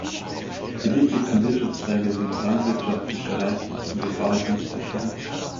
Die wichtigsten Wirtschaftszweige sind Landwirtschaft, Fischerei und lokale Dienstleistungen.